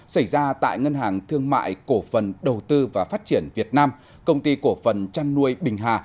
xảy ra tại ngân hàng thương mại cổ phần đầu tư và phát triển việt nam công ty cổ phần chăn nuôi bình hà